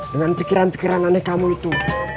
dengan pikiran pikiran aneh kamu itu